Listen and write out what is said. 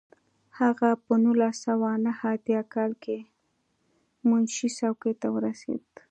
هغه په نولس سوه نهه اتیا کال کې منشي څوکۍ ته ورسېد.